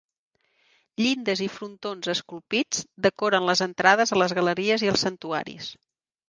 Llindes i frontons esculpits decoren les entrades a les galeries i els santuaris.